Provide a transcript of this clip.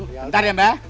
bentar ya mba